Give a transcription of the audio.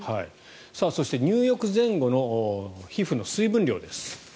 そして入浴前後の皮膚の水分量です。